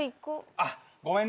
あっごめんね